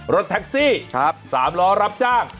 รถแท็กซี่๓ล้อรับจ้าง